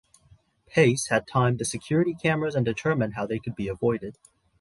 Pace had timed the security cameras and determined how they could be avoided.